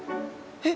えっ？